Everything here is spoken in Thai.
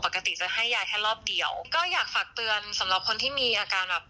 ปกติจะให้ยายแค่รอบเดียวก็อยากฝากเตือนสำหรับคนที่มีอาการแบบ